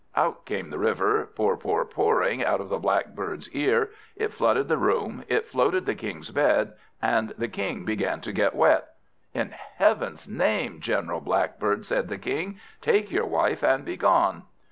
Out came the River, pour pour pouring out of the Blackbird's ear. It flooded the room, it floated the King's bed, the King began to get wet. "In Heaven's name, General Blackbird," said the King, "take your wife, and begone."